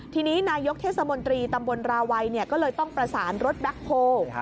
ทีนี้นายกเทศมนตรีตำบลราวัยก็เลยต้องประสานรถแบ็คโฮล์